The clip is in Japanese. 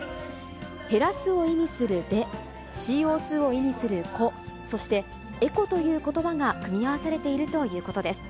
減らすを意味するデ、ＣＯ２を意味するコ、そしてエコということばが組み合わされているということです。